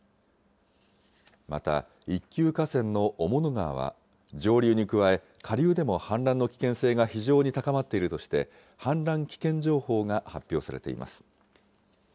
また一級河川の雄物川は、上流に加え、下流でも氾濫の危険性が非常に高まっているとして、氾濫危険情報が発表されています。